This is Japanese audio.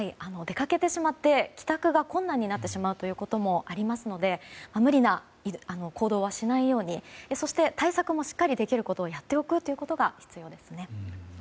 出かけてしまって帰宅が困難になってしまうこともありますので無理な行動はしないようにそして、対策もしっかりとできることをやっておくことが必要ですね。